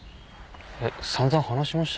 えっ散々話しました。